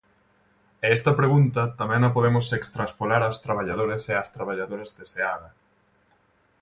E esta pregunta tamén a podemos extraspolar aos traballadores e ás traballadoras de Seaga.